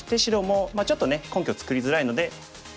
ちょっとね根拠作りづらいのでトビ。